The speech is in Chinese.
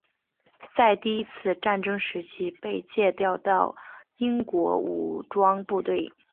在第一次鸦片战争时期被借调到英国武装部队。